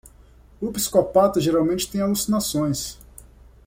O psicopata geralmente tem alucinações.